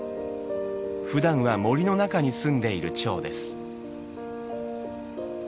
ふだんは森の中に住んでいるチョウです。